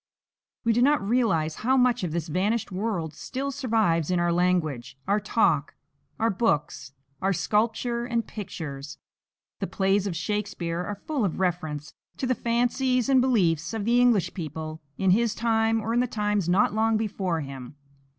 We do not realize how much of this vanished world still survives in our language, our talk, our books, our sculpture and pictures. The plays of Shakespeare are full of reference to the fancies and beliefs of the English people in his time or in the times not long before him.